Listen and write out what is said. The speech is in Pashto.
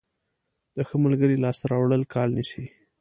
د ښه ملګري لاسته راوړل کال نیسي.